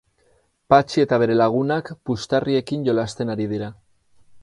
Patxi eta bere lagunak puxtarriekin jolasten ari dira.